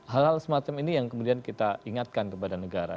hal hal semacam ini yang kemudian kita ingatkan kepada negara